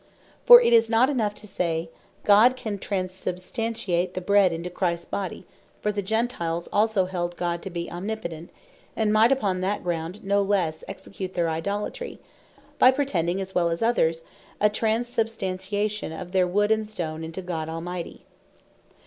For it is not enough to say, God can transubstantiate the Bread into Christs Body: For the Gentiles also held God to be Omnipotent; and might upon that ground no lesse excuse their Idolatry, by pretending, as well as others, as transubstantiation of their Wood, and Stone into God Almighty.